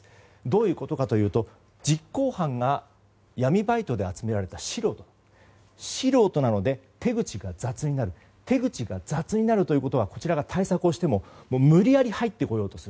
どういうことかというと実行犯が闇バイトで集められた素人なので手口が雑になるということがこちらが対策をしても無理やり入ってこようとする。